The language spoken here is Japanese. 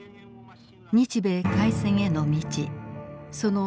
日米開戦への道その引き返し